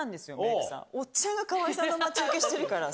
おっちゃんが川合さんの待ち受けしてるから。